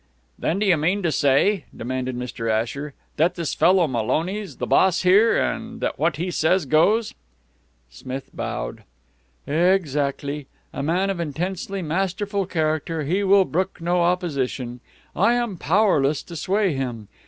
"Then, do you mean to say," demanded Mr. Asher, "that this fellow Maloney's the boss here, and that what he says goes?" Smith bowed. "Exactly. A man of intensely masterful character, he will brook no opposition. I am powerless to sway him.